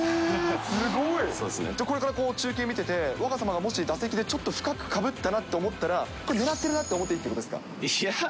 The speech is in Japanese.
すごい！じゃあ、これから中継見てて、若様が打席でちょっと深くかぶったなと思ったら、これ、狙っているなって思っていいっていうことですか？